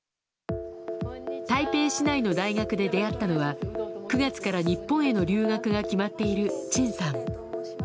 台北市内の大学で出会ったのは９月から日本への留学が決まっているチンさん。